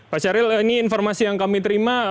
pak syahril ini informasi yang kami terima